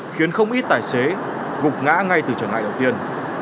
khiến không ít tài xế gục ngã ngay từ trở ngại đầu tiên